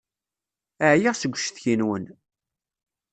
Ɛyiɣ seg ucetki-nwen.